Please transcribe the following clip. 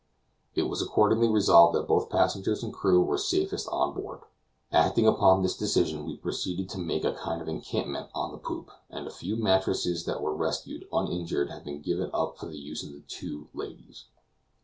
It was accordingly resolved that both passengers and crew were safest on board. Acting upon this decision we proceeded to make a kind of encampment on the poop, and a few mattresses that were rescued uninjured have been given up for the use of the two ladies.